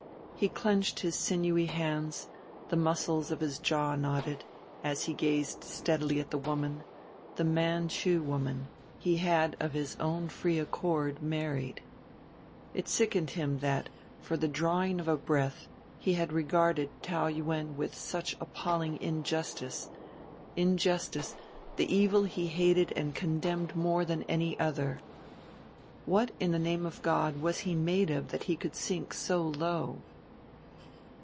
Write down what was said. He clenched his sinewy hands, the muscles of his jaw knotted, as he gazed steadily at the woman, the Manchu woman, he had of his own free accord married. It sickened him that, for the drawing of a breath, he had regarded Taou Yuen with such appalling injustice injustice, the evil he hated and condemned more than any other. What, in the name of God, was he made of that he could sink so low!